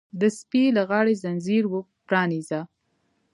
د سپي له غاړې ځنځیر پرانیزه!